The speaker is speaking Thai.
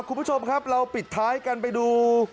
คุณผู้ชมครับเราปิดท้ายกันไปดู